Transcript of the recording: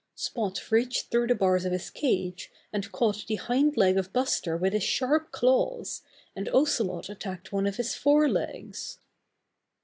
Spot reached through the bars of his cage and caught the hind leg of Buster with his sharp claws, and Ocelot attacked one of his fore legs.